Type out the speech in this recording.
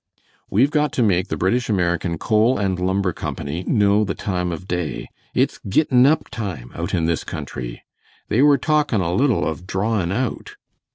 "We've got to make the British American Coal and Lumber Company know the time of day. It's gittin' up time out in this country. They were talkin' a little of drawin' out."